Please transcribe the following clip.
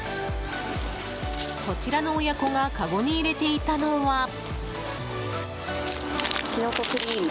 こちらの親子がかごに入れていたのは。